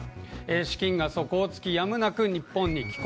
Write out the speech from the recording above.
資金が底をつきやむなく日本に帰国。